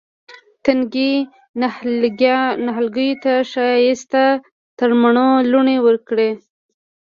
تنکي نهالګیو ته ښایسته ترمڼو لوڼې ورکړه